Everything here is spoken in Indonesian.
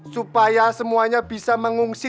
supaya semuanya bisa mengungsi